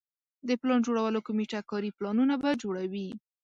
د پلان جوړولو کمیټه کاري پلانونه به جوړوي.